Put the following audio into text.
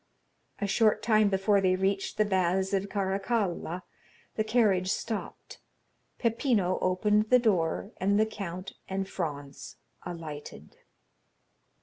A short time before they reached the Baths of Caracalla the carriage stopped, Peppino opened the door, and the count and Franz alighted.